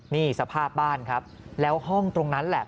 นี่สภาพบ้านครับแล้วห้องตรงนั้นแหละ